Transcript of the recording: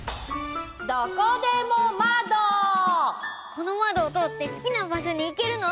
このまどをとおってすきなばしょにいけるの？